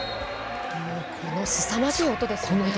すさまじい音ですよね。